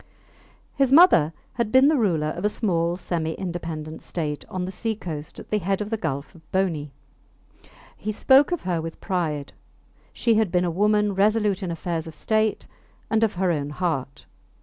His mother had been the ruler of a small semi independent state on the sea coast at the head of the Gulf of Boni. He spoke of her with pride. She had been a woman resolute in affairs of state and of her own heart.